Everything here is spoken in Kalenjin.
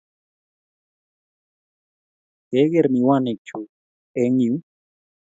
Kegeer miwanik chu eng yuu